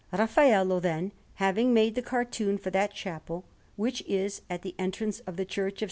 Raffaello, then, having made the cartoon for that chapel, which is at the entrance of the Church of S.